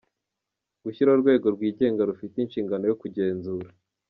Gushyiraho urwego rwigenga rufite inshingano yo kugenzura